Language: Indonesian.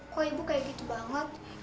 kok ibu kayak gitu banget